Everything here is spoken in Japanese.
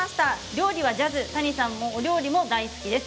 料理はジャズ谷シェフもお料理も大好きです。